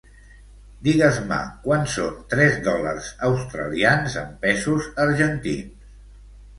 Digues-me quant són tres dòlars australians en pesos argentins.